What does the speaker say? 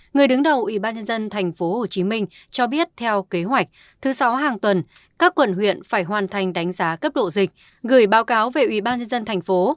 người đứng đầu ubnd tp hcm cho biết theo kế hoạch thứ sáu hàng tuần các quận huyện phải hoàn thành đánh giá cấp độ dịch gửi báo cáo về ubnd tp